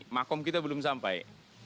makom kita belum sampai